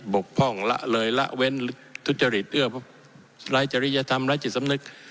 กพ่องละเลยละเว้นทุจริตเอื้อไร้จริยธรรมไร้จิตสำนึก